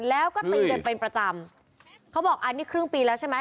แล้วก็ตีกันเป็นประจำเขาบอกอันนี้ครึ่งปีแล้วใช่ไหม